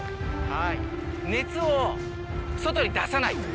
はい熱を外に出さない。